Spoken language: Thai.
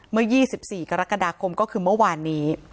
เมื่อ๒๔กรกฎาคมก็คือเมื่อวานนี้